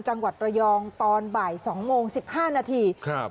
จังหวัดระยองตอนบ่ายสองโมงสิบห้านาทีครับ